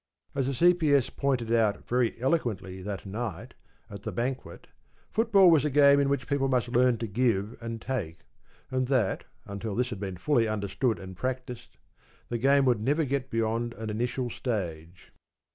As the C.P.S. pointed out very eloquently that night at the banquet, football was a game in which people must learn to give and take, and that, until this had been fully understood and practised, the game would never get beyond an initial stage.